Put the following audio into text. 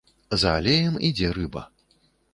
За алеем ідзе рыба.